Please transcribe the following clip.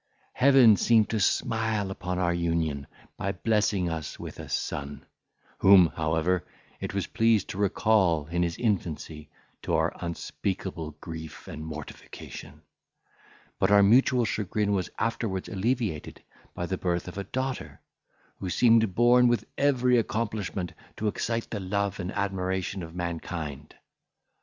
Heaven seemed to smile upon our union, by blessing us with a son, whom, however, it was pleased to recall in his infancy, to our unspeakable grief and mortification; but our mutual chagrin was afterwards alleviated by the birth of a daughter, who seemed born with every accomplishment to excite the love and admiration of mankind.